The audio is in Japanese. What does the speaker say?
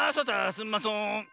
すんまそん。